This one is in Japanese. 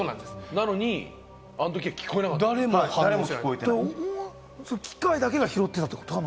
なのに、あの時、聞こえなか機械だけが拾ってたってこと？